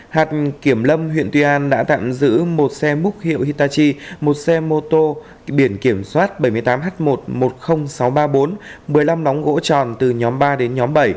hạt kiểm lâm huyện tuy an đã tạm giữ một xe múc hiệu hitachi một xe mô tô biển kiểm soát bảy mươi tám h một một mươi nghìn sáu trăm ba mươi bốn một mươi năm nóng gỗ tròn từ nhóm ba đến nhóm bảy